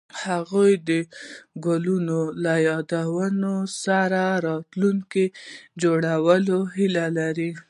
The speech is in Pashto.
هغوی د ګلونه له یادونو سره راتلونکی جوړولو هیله لرله.